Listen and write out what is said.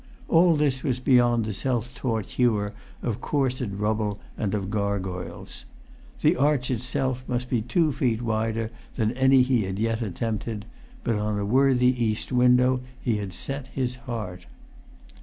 All this was beyond the self taught hewer of coursed rubble and of gargoyles; the arch itself must be two feet wider than any he had yet attempted; but on a worthy east window he had set his heart.